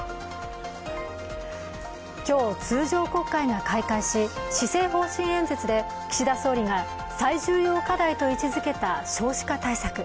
今日、通常国会が開会し施政方針演説で岸田総理が最重要課題と位置づけた少子化対策。